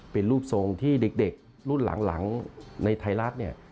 เป็นรูปทรงที่เด็กรุ่นหลังในไทยรัฐเนี่ย